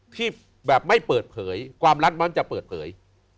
ที่แบบไม่เปิดเผยความลับมันจะเปิดเผย